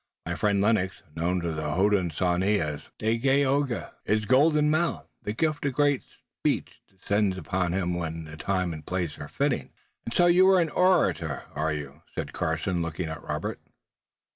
"My friend Lennox, known to the Hodenosaunee as Dagaeoga, is golden mouthed. The gift of great speech descends upon him when time and place are fitting." "And so you're an orator, are you?" said Carson, looking at Robert.